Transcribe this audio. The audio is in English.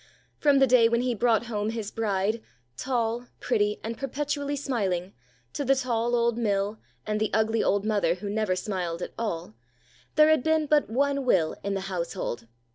From the day when he brought home his bride, tall, pretty, and perpetually smiling, to the tall old mill and the ugly old mother who never smiled at all, there had been but one will in the household.